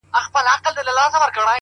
• که زر کلونه ژوند هم ولرمه.